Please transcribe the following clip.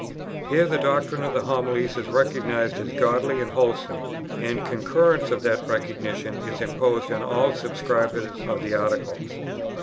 Here the doctrine of the Homilies is recognized as godly and wholesome, and concurrence in that recognition is imposed on all subscribers of the Articles.